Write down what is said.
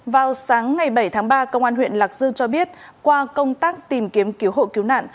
vào sáng ngày bảy tháng ba công an huyện lạc dương cho biết qua công tác tìm kiếm cứu hộ cứu nạn